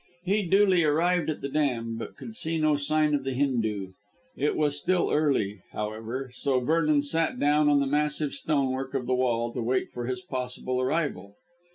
He duly arrived at the dam, but could see no sign of the Hindoo. It was still early, however, so Vernon sat down on the massive stonework of the wall to wait for his possible arrival.